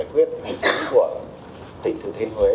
của tỉnh thừa thiên huế